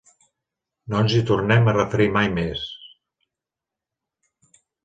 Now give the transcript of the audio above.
No ens hi tornem a referir mai més.